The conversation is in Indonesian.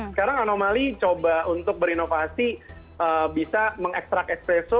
sekarang anomaly coba untuk berinovasi bisa mengekstrak espresso